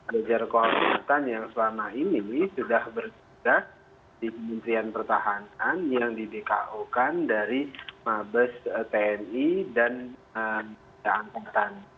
jajar kehormatan yang selama ini sudah bersedak di menterian pertahanan yang di dku kan dari mabes tni dan jajar kehormatan